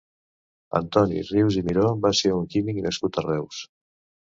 Antoni Rius i Miró va ser un químic nascut a Reus.